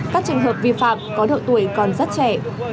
các trường hợp vi phạm có độ tuổi còn rất trẻ